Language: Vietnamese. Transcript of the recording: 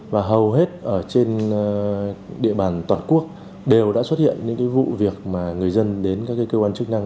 và hầu hết ở trên địa bàn toàn quốc đều đã xuất hiện những vụ việc mà người dân đến các cơ quan chức năng